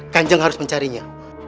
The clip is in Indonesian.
kanjeng harus mencarinya